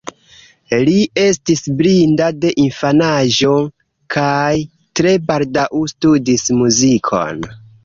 Li estis blinda de infanaĝo, kaj tre baldaŭ studis muzikon.